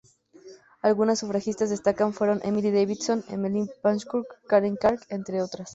Algunas sufragistas destacadas fueron Emily Davison, Emmeline Pankhurst, Carmen Karr entre otras.